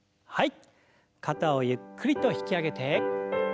はい。